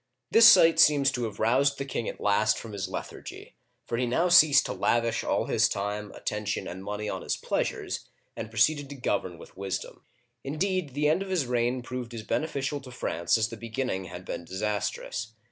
This sight seems to have roused the king at last from his lethargy, for he now ceased to lavish all his time, attention, and money on his pleasures, and proceeded to govern with wisdom. In deed, the end of his reign proved as beneficial to France as the beginning had been disastrous.